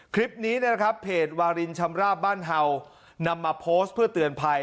คลิปนี้นะครับเพจวารินชำราบบ้านเห่านำมาโพสต์เพื่อเตือนภัย